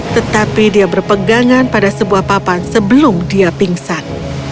tetapi dia berpegangan pada sebuah papan sebelum dia pingsan